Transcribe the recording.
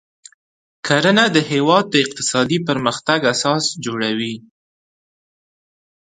کرنه د هیواد د اقتصادي پرمختګ اساس جوړوي.